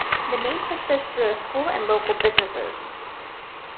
The name persists through a school and local businesses.